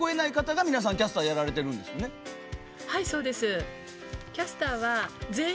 「はいそうです」。